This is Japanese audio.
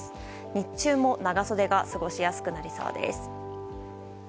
日中も長袖が過ごしやすくなりそうです。